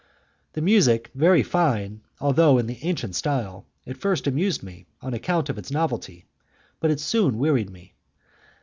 The music, very fine although in the ancient style, at first amused me on account of its novelty, but it soon wearied me.